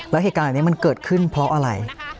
แล้วเหตุการณ์นี้มันเกิดขึ้นเพราะอะไร